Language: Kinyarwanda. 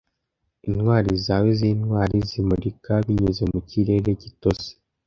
Intwari zawe zintwari zimurika binyuze mu kirere gitose,